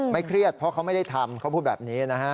เครียดเพราะเขาไม่ได้ทำเขาพูดแบบนี้นะฮะ